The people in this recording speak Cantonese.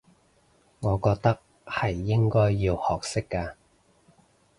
我覺得係應該要學識嘅